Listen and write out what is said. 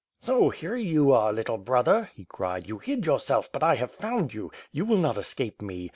"So here you are, little brother," he cried, ^^you hid your self, but I have found you. You will not escape me.